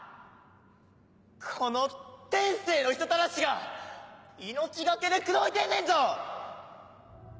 この天性の人たらしが命懸けで口説いてんねんぞ！